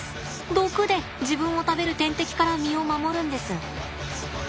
毒で自分を食べる天敵から身を守るんです。